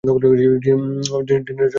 ডিনারের জন্য কী রান্না করেছো?